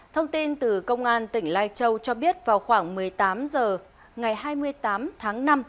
thông tin từ công an tỉnh lai châu cho biết vào khoảng một mươi tám h ngày hai mươi tám tháng năm